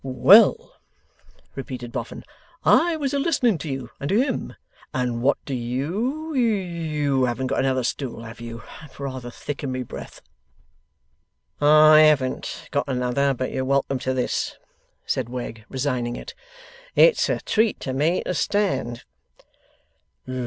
'Well,' repeated Boffin, 'I was a listening to you and to him. And what do you you haven't got another stool, have you? I'm rather thick in my breath.' 'I haven't got another, but you're welcome to this,' said Wegg, resigning it. 'It's a treat to me to stand.